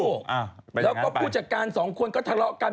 แล้วก็ผู้จัดการสองคนก็ทะเลาะกัน